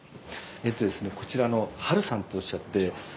えっとですねこちらのハルさんとおっしゃって